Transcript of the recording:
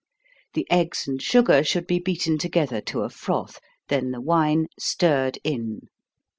The eggs and sugar should be beaten together to a froth, then the wine stirred in.